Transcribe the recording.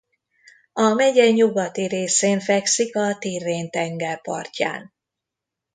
A megye nyugati részén fekszik a Tirrén-tenger partján.